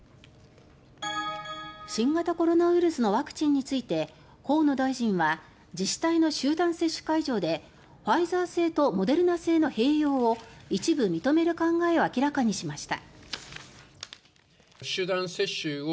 新型コロナウイルスのワクチンについて河野大臣は自治体の集団接種会場でファイザー製とモデルナ製の併用を一部認める考えを明らかにしました。